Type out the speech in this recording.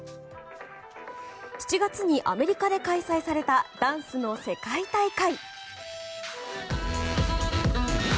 ７月にアメリカで開催されたダンスの世界大会。